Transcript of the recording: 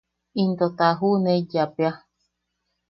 Into ta juʼuneiyapea.